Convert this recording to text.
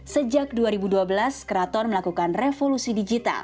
sejak dua ribu dua belas keraton melakukan revolusi digital